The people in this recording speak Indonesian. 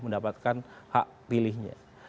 mendapatkan hak pilihnya